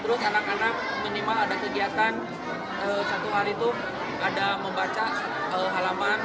terus anak anak minimal ada kegiatan satu hari itu ada membaca halaman